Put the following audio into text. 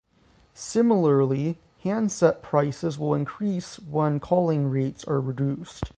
Similarly, handset prices will increase when calling rates are reduced.